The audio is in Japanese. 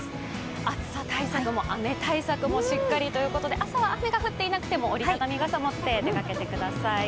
暑さ対策も雨対策もしっかりということで、朝は雨が降っていなくても、折りたたみ傘を持って出かけてください。